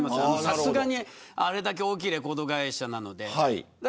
さすがに、あれだけ大きいレコード会社なので。